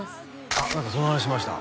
あっ何かその話しました